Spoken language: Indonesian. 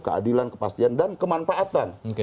keadilan kepastian dan kemanfaatan